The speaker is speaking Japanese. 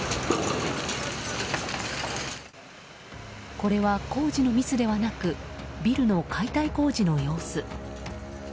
これは工事のミスではなくビルの解体工事の様子。